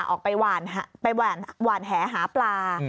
ออกไปหวานแหหาปลา